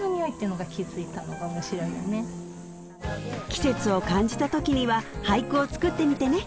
季節を感じたときには俳句を作ってみてね